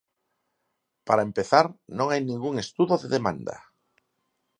Para empezar, non hai ningún estudo de demanda.